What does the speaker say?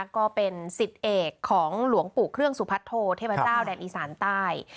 ก็เป็นสิทธิ์เอกของหลวงปู่เครื่องสุพัทโทเทพเจ้าแดนอีสานใต้